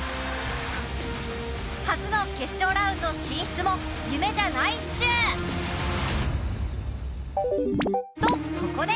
初の決勝ラウンド進出も夢じゃないっシュ！とここで！